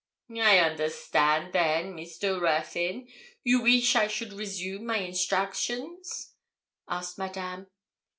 'I understand then, Mr. Ruthyn, you weesh I should resume my instructions?' asked Madame.